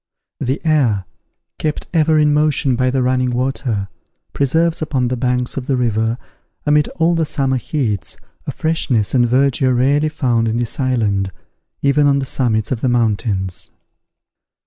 The air, kept ever in motion by the running water, preserves upon the banks of the river, amid all the summer heats, a freshness and verdure rarely found in this island, even on the summits of the mountains.